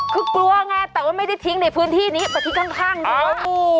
คือกลัวไงแต่ว่าไม่ได้ทิ้งในพื้นที่นี้ไปทิ้งข้างด้วย